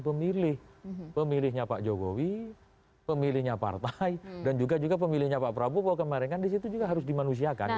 pemilih pemilihnya pak jokowi pemilihnya partai dan juga pemilihnya pak prabowo kemarin kan disitu juga harus dimanusiakan